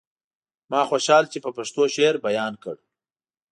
ما خوشحال چې په پښتو شعر بيان کړ.